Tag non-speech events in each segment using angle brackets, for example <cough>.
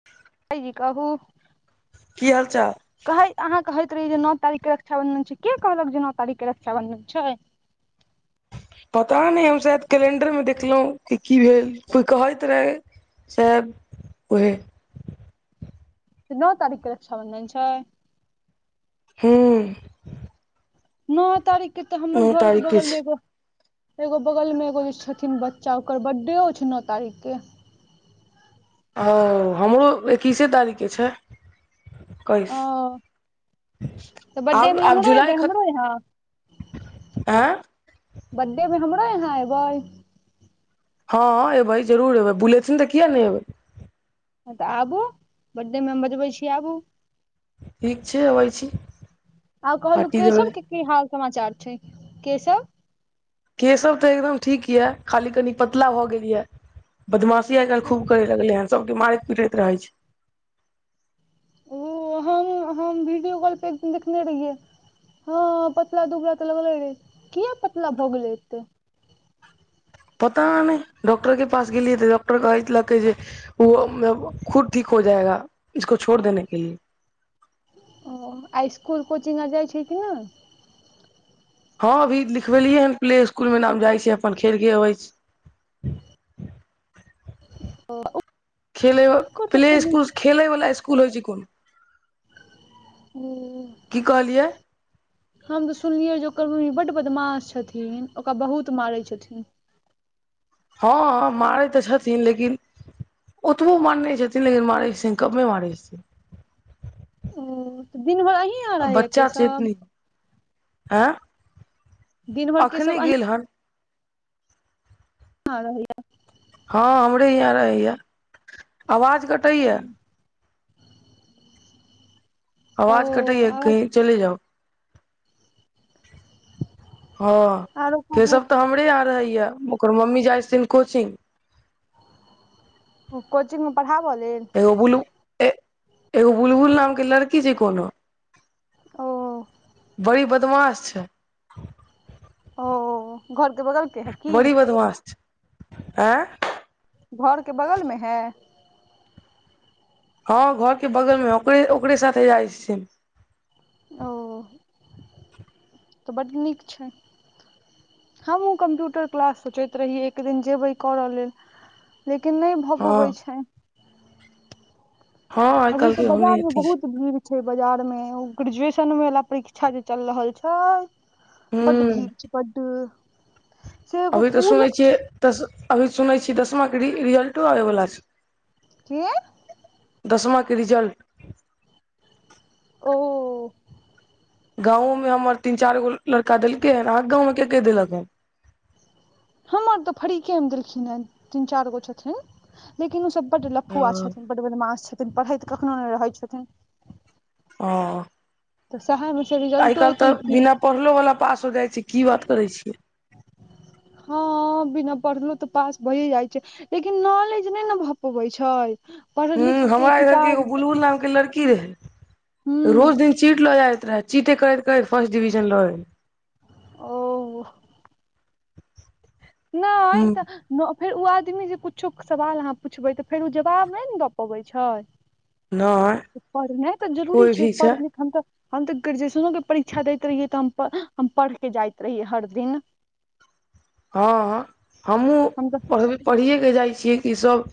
<inaudible> भायजी कहू की हाल चाल कह अहाँ कहैत रहहिय जे नओ तारीख के रक्षाबंधन छै के कहलक जे नओ तारी के रक्षाबंधन छै पता नहि हम सायद कैलेंडर मे देखलहुँं कि की भेल कोइ कहैत रहै से उहे नओ तारीख क रक्षाबंधन छै हूं नओ तारीखके तऽ हमर घरके तारीख के बगलमे छै एगो एगो बगल मे एगो जे छथिन बच्चा ओकर बड्डेओ छै नओ तारीख के ओ हमरो एक्किसे तारीख के छै कइस ओ तऽ आ बर्थडे मे आब इम्हरो जुलाइ एबै खत हमरो यहाँ आँ बर्डे मे हमरो यहाँ एबै हँँ अयबै जरूर अयबै बुलेथिन तऽ किए नहि अयबै हँ तऽ आबू बड्डेमे हम बजबै छी आबू ठीक छै अबै छी आउ कहलु पार्टी देबै केशव की हाल समाचार छै केशव केशब तऽ एकदम ठीक य खाली कनी पतला भए गेलय बदमाश ी आइ काल् खूब कर लगले हन सबके मारैत पिटैत रहे छै ओ हम हम वीडियो कॉलपर एक दिन देखने रहियै हँ पतला दुबला तऽ लगले रे कििया पतला भऽ गेलेै एते पता नहि डॉक्टर के पास गेलियै तऽ डॉक्टर कहैतलकै जे ओ खुद ठीक हो जाएगा इसको छोड़ देने के लिए ओ आ स्कुल कोचिंग आर जाइ छै कि नऽ हँ अभी लिखबेलियै हन प्ले स्कुल मऽ नाम जाइ छै अपन खेलके अबै छै <unintelligible> खेल ओकर तऽ प्ले सुनै स्कुल खेले वला स्कुल होइ छै कोन हू की कहलियै हम तऽ सुनलियै जे ओकर मम्मी बड्ड बदमाश छथिन ओकरा बहुत मारै छथिन हँ मारै तऽ छथिन लेकिन ओतबो मारने छथिन लेकिन मारै छथिन कमे मारै छथिन ओऽ दिन भेर आहि बच्चा छे अखनि आय दिन भर अखने केशव अहीं गेल हन <unintelligible> हँ हमरे यहाँ रहैया आवाज कटैया ओ आवाज कटैया आवाज कहीं चले जाउ हँ आरो कहू केशब तऽ हमरे यहां रहैया ओकर मम्मी जाइ छथिन्ह कोचिंग ओ कोचिंग मऽ पढ़ाबऽ लेल एगो बुल ए एगो बुलबुल नाम कऽ लड़की छैय कोनो ओ बड़ी बदमाश छैय ओअ घरके बगलके बड़ी बदमाश छैह ऐंय घरके बगलमे हैय हँ घर के बगल मे ओकरे ओकरे साथे जाइ छथिन ओ तऽ बड्ड नीक छै हमहूँ कम्प्यूटर क्लास सोचैत रहीये एक दिन जेबै करऽ लेल लेकिन नै भऽ हँ पबैय छैन हँ आइ अभी काल्हि तऽ के बाजार ओहने मऽ अथी छै बहुत भीड़ छैय बाजार में ओ ग्रेजुएशन वाला परीक्षा जे चल रहल छो बड्ड हूं भीड़ छै बड अभी तऽ सुनै छियै दस अभी सुनै छियै दसमाके रिजल्टो आबय वला छैय कि दसवां कऽ रिजल्ट ओ गाँवोमे हमर तीन चारगो लड़का देलकै हन अहाँकेँ गाँवमे केँ केँ देलक हन हमर तऽ फरीकेँ में देलखिन हन तीन चारगो छथिन्ह लेकिन उसभ बड लफुआ हँ छथिन्ह बड बदमास छथिन्ह पढ़ैत कखनो नै रहै छथिन्ह अऽ तऽ सहाय <unintelligible> आइ काइल तऽ बिना पढ़लो वाला पास होय जाइ छैय की बात करैय छियै <inaudible> हँ बिना पढ़लो तऽ पास भोये जाय छैय लेकिन नॉलेज नै न भऽ पबैय छैय हूँ हमरा इधर केँ एगो बुलबुल नाम केँ लड़की रहे रोज ह दिन चीट लऽ जाइत रहैय चीटे करैत करैत फर्स्ट डिविजन लो ऐलै ओ व नै ह तऽ न फेर उ आदमी जे कुछो सवाल अहाँ पूछबै तऽ फेर उ जवाब नै न दऽ पबैय छैय नहि <inaudible> पढ़नाइ तऽ जरूरी कोइ छैय भी पढ़ छै लिखन तऽ हम तऽ ग्रेजुएशनो के परीक्षा दैत रहियै तऽ हम हम पढ़ के जायत रहियै हर दिन हँ <inaudible> हमूँ हम तऽ अभी पढ़िये केँ जाय छियै की सब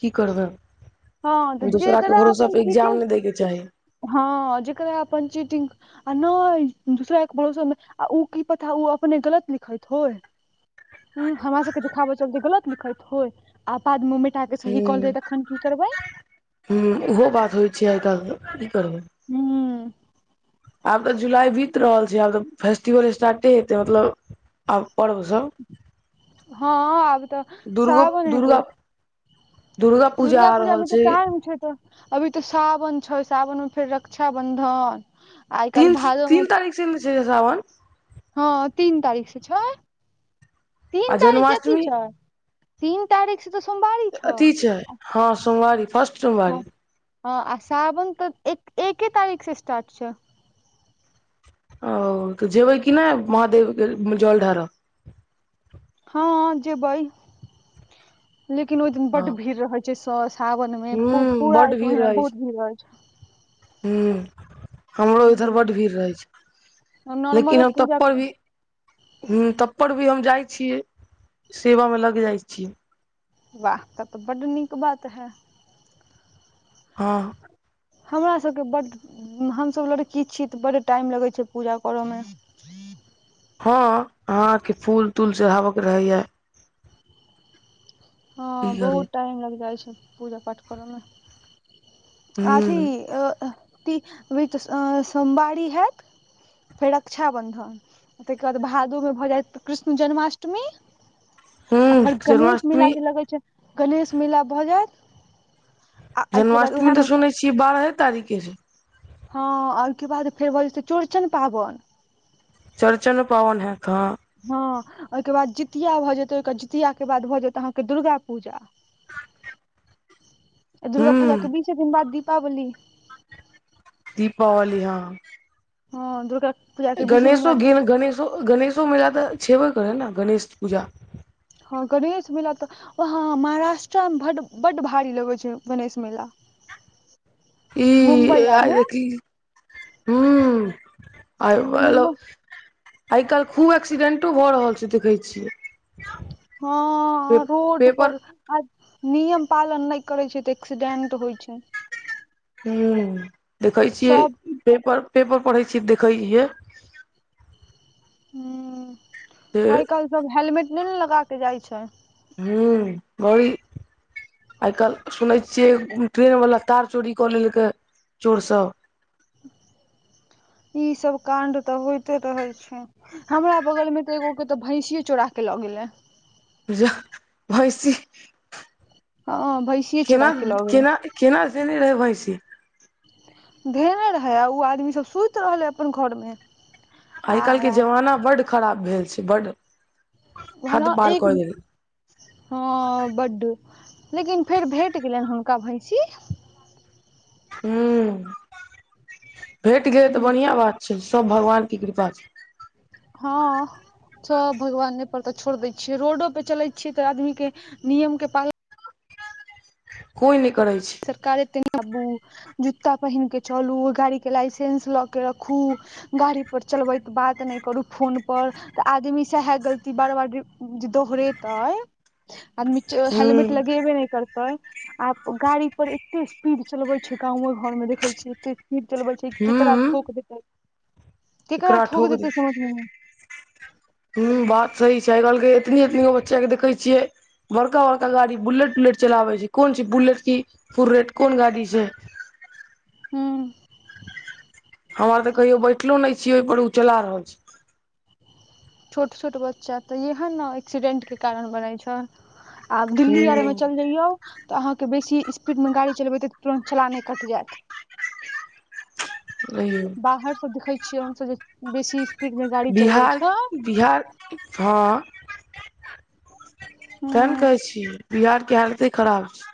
की करबै हँ तऽ दूसरा केँ जेकरा भरोसा अपन पे एग्जाम चीटिंग नै दै केँ चाही हँ जकरा अपन चीटिंग आ नै दूसरा केँ भरोसामे आ उ की पता उ अपने गलत लिखैत होय हुॅं हमरा सबके देखाबऽ चलते गलत लिखैत होय आ बादमे मिटाके सही कऽ लैत तखन की करबै हूॅं ओहो बात होइ छैय आइ काइल तऽ की करबै हूँ <inaudible> आब तऽ जुलाई बीत रहल छैय आब तऽ फेस्टिवल स्टार्ट हेयतै मतलब आब पर्ब सब हँ आब तऽ दुर्गो सावन <inaudible> हेतै दुर्गा दुर्गा आ पूजा रहल मे तऽ छै टाइम छै तऽ अभी तऽ सावन छै सावनमे फेर रक्षाबंधन आइ तीन काल्हि भादो मे तीन तारीख से नै छै सावन हँ तीन तारीख स छै तीन आ तारीख की जन्माष्टमी छै <inaudible> तीन तारीख से तऽ सोमवारी अथी छै हँ सोमवारी फर्स्ट हँ सोमवारी ह आ सावन तऽ एक एके तारीख सऽ स्टार्ट छै ओ तऽ जेबै कि नै महादेव केँ जल ढार हँ जेबै <inaudible> लेकिन ओय दिन हँ बड भीड़ रहै सऽ सावन में पू हूँ पूरा बड्ड एक भीड़ महीना रहै बहुत छै भीड़ रहै छै <unintelligible> हमरो इधर हूँ बड भीड़ रहै छै <inaudible> नॉर्मलो लेकिन हम पूजा तब करू पर भी हूँ तब पर भी हम जाइ छीयै सेवामे लग जाइ छीयै वाह तब तऽ बड नीक बात है हँ हमरा सब केँ बड हमसब लड़की छी तऽ बड़ टाइम लगे छै पूजा करऽ मे ह अहाँकेँ फूल तूल चढ़ाव केँ रहैय की हँ करे बहुत टाइम लागि जाइ छै पूजा पाठ करऽमे अथी हूँ ती <unintelligible> सोमवारी हैत फेर रक्षाबंधन ताहिके बाद भादोमे भऽ जायत कृष्ण जन्माष्टमी आ हूँ फेर गणेश मेला जन्माष्टमी जे लगै छै गणेश मेला भऽ जायत आ अहिके बाद उहै मे छी बारहे तारिके हँ ओहिके बाद फेर भऽ जेतै चौड़चन पाबन चौरचन पाबनि हे कऽ हँ ओहिके बाद जितिया भऽ जेतै ओहिके जितियाके बाद भऽ जेतै अहाँके दुर्गा पूजा दुर्गा पूजा हूँ के बीसे दिन बाद दीपावली दीपावली हँ हँ दुर्गा पूजा के बीसे दिन बाद की तो गणेशो मेला तऽ छेबे करै नऽ गणेश पूजा हँ गणेश मेला तऽ वहाँ महाराष्ट्रामे बड्ड बड्ड भारी लगै छै गणेश मेला <inaudible> मुम्बई ई आर आइ मे देखी हू आइ बला मुम्बई आइ काइल खूब एक्सीडेंटो भऽ रहल छै देखै छियै हँ पे ह पेपर रोडपर आ नियम पालन नै करै छै तऽ एक्सीडेंट होइ छै हूं देखै छियै सब पेपर पेपर पढ़ै छीयै देखै हिये से हू आइ काल्हि सब हेलमेट नै न लगा के जाइ छै हूं ओई आइ काइल सुनै छियै ट्रेन वला तार चोरी कऽ लेलकै चोर सब ई सब काण्ड तऽ होइते रहै छै हमरा बगल में तऽ एगो के तऽ भैंसीेय चोरा के लऽ गेले पूजा भैसी <unintelligible> ह भैसी केना केना केना धेने <unintelligible> रहै भैंसी धेने रहै आ उ आदमीसभ सुइत रहलै अपन घरमे आइ काल्हिके जमाना बड्ड खराब भेल छै बड्ड हद भला पार एक कऽ गेल हं बड्ड, लेकिन फेर भेट गेलनि हुनका भैंसी हुं, भेट गेल त बढ़िया बात छय सब भगवानके कृपा छय। हं सब भगवाने पर त छोड़ि दै छियै, रोडो पर चलै छीयै त आदमी के नियम के पालन कोइ नै करय छै सरका <unintelligible> रे संगे चारु, जुता पहिन के चलु गाड़ी के लाइसेंस ल के रखु गाड़ी पर चलबैत बात नै करु फोन पर त आदमी सैहे गलती बार बार दोहरेतै, आदमी जं हूं हेलमेट लगेबे नहि करतै, आब गाड़ी पर एते स्पीड चलबै छै गामो घर मे देखै छियै अते चलबै छै केकरा हूं ठोक देतै, केकरा ठोक देतै समझ मे नै हुं बात सही छै आइ कालि के एतनी एतनी गो बचा के देखै छियै बड़का बड़का गाड़ी बुलेट उलेट चलाबै छय, कोन छय बुलेट की फुरेट कोन गाड़ी छै। हुं हम और त कहियो बैठलो नै छियै ओहिपर, ओ चला रहल छय। छोट छोट बच्चा त इहे नऽ एक्सीडेंटके कारण बनै छै आ दिल्ली और मऽ चलि जइयौ त अहांके बेसी स्पीडमे गाड़ी चलेबै त तुरन्त चलाने कटि जायत हं यौ बाहर सं देखै छियै हमसब जे बेसी स्पीड मे गाड़ी चलबै बिहार, छै बिहार हां तें नऽ ह कहै छी बिहार कऽ हालते खराब छै।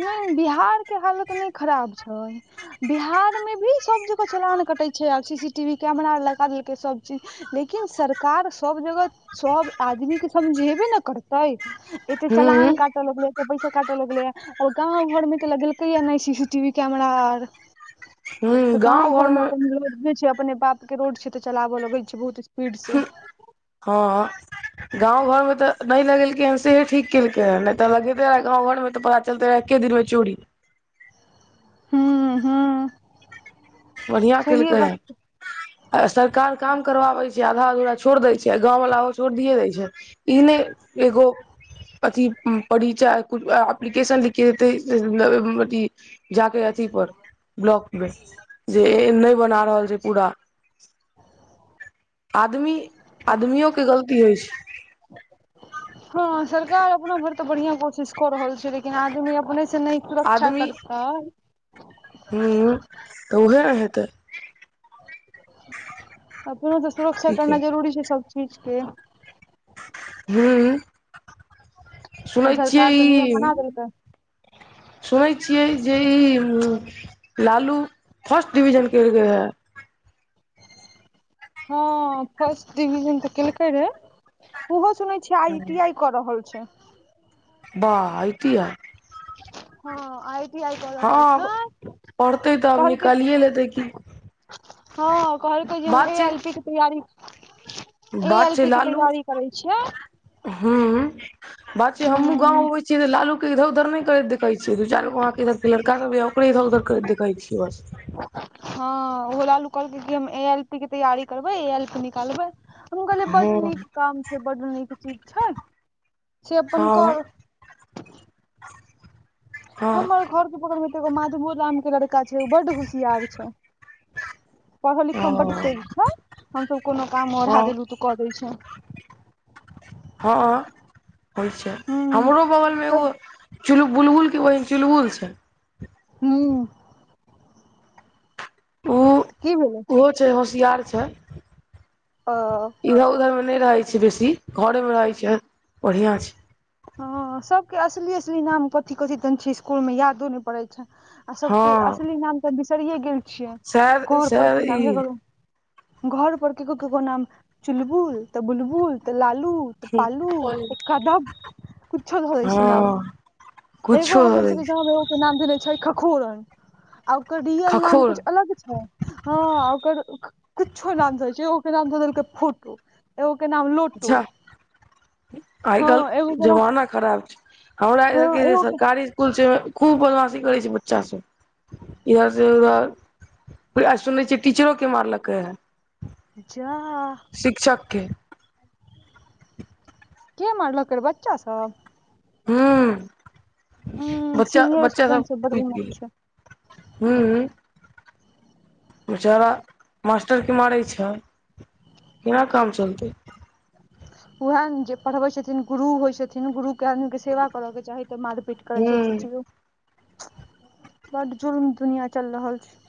नहि, बिहार के हालत नऽ खराब छै। बिहार मे भी सब जगह चलान कटै छै आर C C T V camera लगा देलकै सब जगह। लेकिन सरकार सब जगह सब आदमी के समझेबे नऽ करतै। तैं एते हूं चलान काटय लगलैये एते पैसा काटय लगलैये ओ गांव घर मे त लगेलकैये ने सी सी टीवी कैमरा आर त हूं गांव गाँव घर मे घरमे अपन रोड नै छै अपने बाप के रोड छै त चलाबय लगै छै बहुत स्पीड स्पीड से। हां गांव घर मे त नहि लगेलकैये हन सेहे ठीक। केलकै हन नहि त लगैये गांव घर मे त पता चलते रहै एके दिन मऽ चोरी हू हू बढ़िया केलकै हन बात आ सरकार काम करवाबै छै आधा अधुरा छोरि दय छै गाँववला ओ छोरिये दै छै इ नै एगो अथि परिचय अ एप्लीकेशन लिख कऽ देतय जा के अथि पर ब्लॉक मे, जे नै बना रहल छै पुरा आदमी, आदमियोके गलती होइ छै हां सरकार अपना भरि त बढ़िया कोशिश क रहल छै लेकिन आदमी अपने से नहि सुरक्षा करतइ हुं तऽ उहे नऽ हेतै अपने सऽ सुरक्षा की के करनाइ जरुरी छै सब चीज केऽ हु हू सुनै सरकार छियै तऽ ई <unintelligible> सुनै छिये जे इ लालु फर्स्ट डिविजन केलकै यऽ हां फर्स्ट डिविजन त केलकैये, इहो सुनै छै आई हे टी आइ कऽ रहल छै वाह आई टी आई हां, आइ टी आइ क रहल हँ छै, पढ़तै तऽ आब कहलकै निकालिए लेतै की हँ कहलकै जे हम बात ए छै एल पी कऽ तैयारी ए एल पी के तैयारी करै छियै हू बात छै हमूँ गाँंव हूँ अबै छी छिय त लालू के इधर उधर नई करत देखे छीय छै दू चार गो आंख इधर सऽ लड़का के भी हम इधर उधर करैत देखैई छियई बस हँ ओहो लालू कहलके कि हम ए एल पी के तैयारी करबै ए एल पी निकालबै हम कहलियै बड हँ नीक काम छैय बड नीक चीज छैय से अपन हँ कर हँ हमर घर के बगल मे तऽ एगो माधबो राम के लड़का छैय ओ बड्ड होुशियार छैय पढ़ऽ लिखय मऽ बड हँ तेज छैय हम सब कोनो काम ओढ़ा हँ देलू तऽ कऽ दै छैय हँ होइ छैय हूं हमरो बगलमे एगो चुल बुलबुलके बहिन चुलबुल छैय। हूं ओ की भेलै? ओहो छैय होशियार छैय। अ इधर उधरमें नहि रहे छैय बेसी घरे मे रहे छैय बढ़िया छैय। हँ सभके अश्ली अश्ली नाम कथी कथी तन छैय इसकुलमे यादो नहि पड़ै छैय। आ हँ सबके असली नाम त बिसैरिये गेल छियै शायद घर पर शायद के नामे केकरो ई घर पर केकरो केकरो नाम चुलबुल तऽ बुलबुल त लालु। तऽ पालू त कादब कुच्छो ध दै छैय नाम। हँ एगो कुछो द हमर दै सब के छै गांव मे एगो के नाम धेने छैय खखोरन आ ओकर रियल नाम खखोर कुछ अलग छैय। हँ ओकर कुछो नाम ध दय छैय ओकर नाम ध देलकै फोटो। एगो के नाम लोटू अच्छा आइ हँ एगो काल्हि के नाम जमाना खराब छैय हमरा हँ इधर के जे एगो सरकारी इसकुल छैय खूब बदमाासी करै छैय बच्चा सब। इधर से उधर बुझाय सुने छियै टीचरोके मारलकै हे। जा शिक्षकके के मारलकै रऽ बच्चाभ? हूं उम्म बच्चा सीनियर बच्चा स्टूडेंट सब बड पुछि बदमाश गेलै। छै हूं बेचारा मास्टरके मारै छैय केना काम चलतै। वएह न जे पढ़बै छथिन गुरु होइ छथिन गुरु के के आदमीके सेवा करऽ के चाही तऽ मारि पीट करै छैय हूँ सोचियौ। बड जुल्म दुनिया चल रहल छैय।